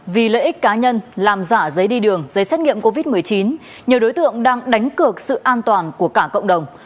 vì lợi ích cá nhân làm giả giấy đi đường giấy xét nghiệm covid một mươi chín nhiều đối tượng đang đánh cược sự an toàn của cả cộng đồng